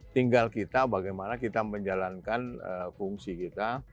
tinggal kita bagaimana kita menjalankan fungsi kita